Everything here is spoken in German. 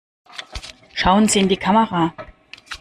Schauen Sie in die Kamera!